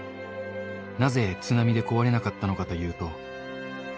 なぜ、津波で壊れなかったのかというと。